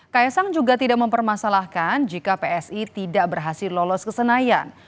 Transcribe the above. kaisang juga tidak mempermasalahkan jika psi tidak berhasil lolos ke senayan